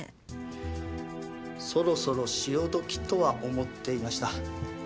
そろそろ潮時とは思っていました。